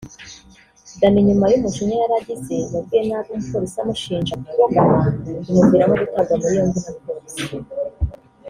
Danny nyuma y’umujinya yaragize yabwiye nabi umupolisi amushinja kubogama bimuviramo gutabwa muri yombi na polisi